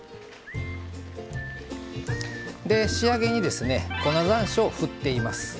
仕上げに、粉ざんしょうを振っています。